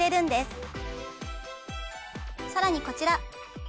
さらにこちら。